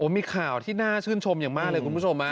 มีข่าวที่น่าชื่นชมอย่างมากเลยคุณผู้ชม